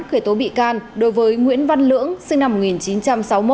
khởi tố bị can đối với nguyễn văn lưỡng sinh năm một nghìn chín trăm sáu mươi một